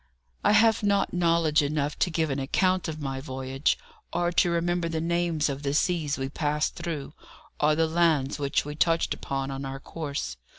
I have not knowledge enough to give an account of my voyage, or to remember the names of the seas we passed through or the lands which we touched upon in our course.